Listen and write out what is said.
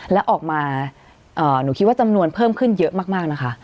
แล้วออกมาหนูคิดว่าจำนวนเพิ่มขึ้นเยอะมากนะคะ